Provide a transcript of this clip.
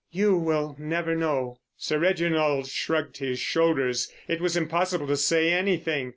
You will never know." Sir Reginald shrugged his shoulders. It was impossible to say anything.